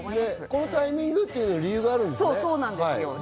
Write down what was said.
このタイミングの理由はあるんですか？